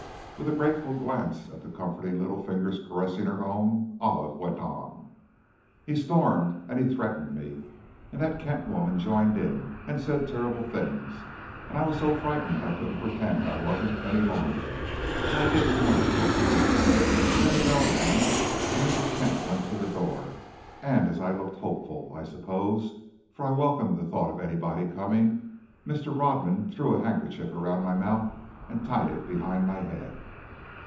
With a grateful glance at the comforting little fingers caressing her own, Olive went on: "He stormed and he threatened me, and that Kent woman joined in and said terrible things! And I was so frightened I couldn't pretend I wasn't any longer, and I didn't know what to do! And then the bell rang, and Mrs. Kent went to the door, and as I looked hopeful, I suppose, for I welcomed the thought of anybody's coming, Mr. Rodman threw a handkerchief around my mouth and tied it behind my head.